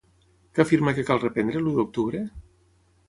Què afirma que cal reprendre l'u d'octubre?